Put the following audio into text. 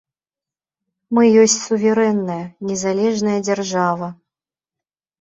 Мы ёсць суверэнная, незалежная дзяржава.